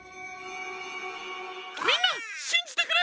みんなしんじてくれ！